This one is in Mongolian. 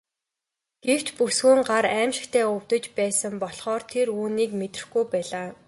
Гэвч бүсгүйн гар аймшигтай өвдөж байсан болохоор тэр үүнийг мэдрэхгүй байлаа.